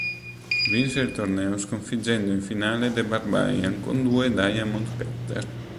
Vinse il torneo sconfiggendo in finale The Barbarian con due "Diamond Cutter".